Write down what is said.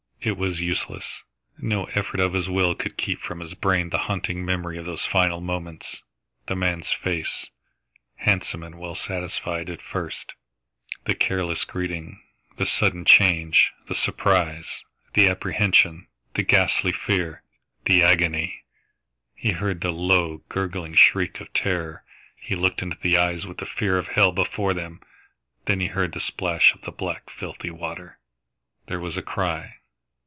It was useless. No effort of his will could keep from his brain the haunting memory of those final moments the man's face, handsome and well satisfied at first, the careless greeting, the sudden change, the surprise, the apprehension, the ghastly fear, the agony! He heard the low, gurgling shriek of terror; he looked into the eyes with the fear of hell before them! Then he heard the splash of the black, filthy water. There was a cry.